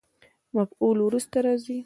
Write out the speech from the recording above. مفعول وروسته راځي.